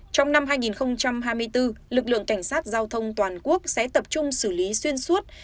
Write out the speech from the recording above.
trong năm hai nghìn hai mươi bốn lực lượng cảnh sát giao thông toàn quốc sẽ tập trung xử lý xuyên suốt